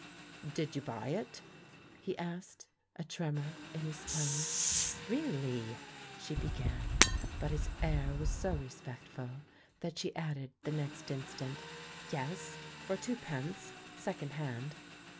"Did you buy it?" he asked, a tremor in his tone. "Really —!" she began. But his air was so re spectful that she added the next instant, "Yes, for twopence, second hand."